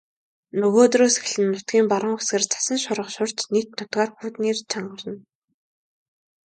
Нөгөөдрөөс эхлэн нутгийн баруун хэсгээр цасан шуурга шуурч нийт нутгаар хүйтний эрч чангарна.